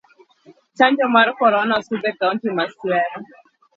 Chanjo mar korona osidh e kaunti ma siaya.